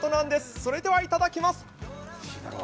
それでは、いただきます。